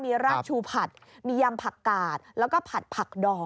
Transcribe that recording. มีรากชูผัดมียำผักกาดแล้วก็ผัดผักดอ